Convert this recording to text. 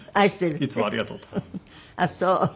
「いつもありがとう」とか。